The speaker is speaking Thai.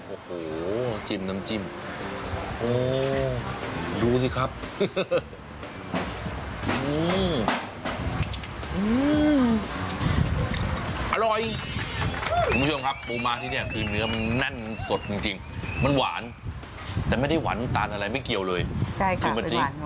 โอ้โฮจิ้มน้ำจิ้มโอ้โฮดูสิครับ